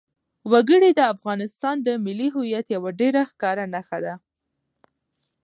وګړي د افغانستان د ملي هویت یوه ډېره ښکاره نښه ده.